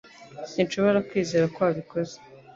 Sinshobora kwizera ko wabikoze